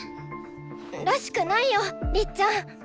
らしくないよりっちゃん！